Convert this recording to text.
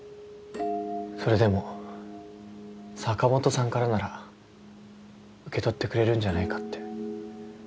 それでも坂本さんからなら受け取ってくれるんじゃないかって。